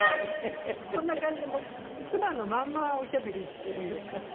こんな感じでもう普段のまんまおしゃべりしてるんですよね。